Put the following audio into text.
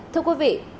thưa quý vị